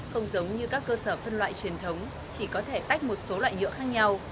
không giống như các cơ sở phân loại truyền thống chỉ có thể tách một số loại nhựa khác nhau